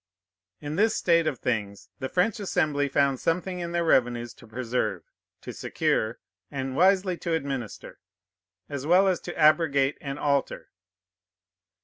In this state of things, the French Assembly found something in their revenues to preserve, to secure, and wisely to administer, as well as to abrogate and alter.